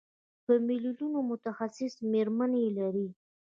په میلیونونو متخصصې مېرمنې لري.